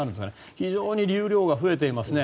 非常に流量が増えていますね。